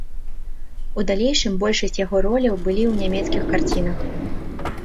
У далейшым большасць яго роляў былі ў нямецкіх карцінах.